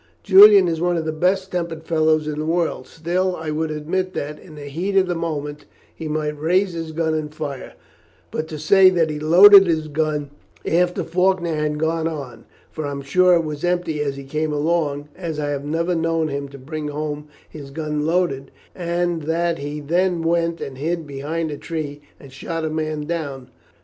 Julian is one of the best tempered fellows in the world; still, I would admit that, in the heat of the moment, he might raise his gun and fire, but to say that he loaded his gun after Faulkner had gone on for I am sure it was empty as he came along, as I have never known him to bring home his gun loaded and that he then went and hid behind a tree and shot a man down.